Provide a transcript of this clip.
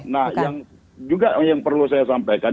nah yang juga yang perlu saya sampaikan